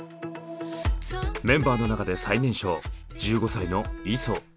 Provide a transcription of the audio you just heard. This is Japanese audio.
メンバーの中で最年少１５歳のイソ。